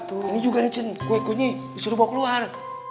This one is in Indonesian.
ini juga nih cint kue kunyi disuruh bawa keluar